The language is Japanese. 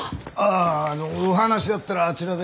ああお話だったらあちらで。